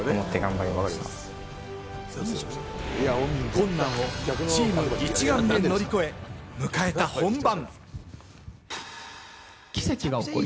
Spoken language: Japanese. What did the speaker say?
困難をチーム一丸で乗り越え、迎えた本番。